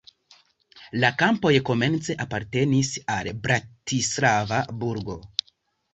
La kampoj komence apartenis al Bratislava burgo.